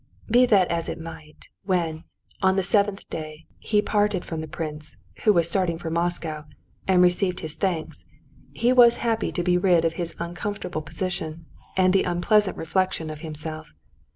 Be that as it might, when, on the seventh day, he parted from the prince, who was starting for Moscow, and received his thanks, he was happy to be rid of his uncomfortable position and the unpleasant reflection of himself.